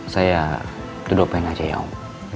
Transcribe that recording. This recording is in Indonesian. saya duduk pengen aja ya om